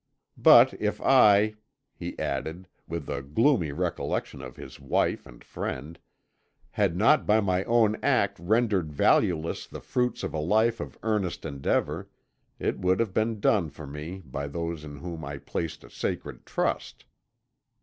But if I," he added, with a gloomy recollection of his wife and friend, "had not by my own act rendered valueless the fruits of a life of earnest endeavour, it would have been done for me by those in whom I placed a sacred trust."